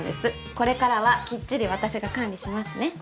これからはきっちり私が管理しますね。